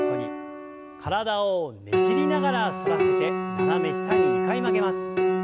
体をねじりながら反らせて斜め下に２回曲げます。